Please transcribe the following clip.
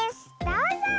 どうぞ！